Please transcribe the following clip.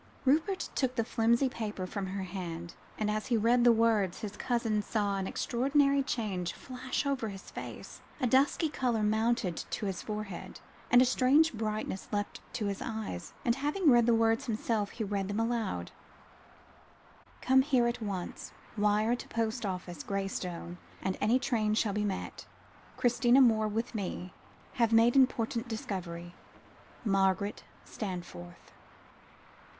Rupert took the flimsy paper from her hand, and as he read the words, his cousin saw an extraordinary change flash over his face a dusky colour mounted to his forehead, a strange brightness leapt to his eyes; and, having read the words to himself, he read them aloud "Come here at once. Wire to post office, Graystone; and any train shall be met. Christina Moore with me. Have made important discovery. MARGARET STANFORTH."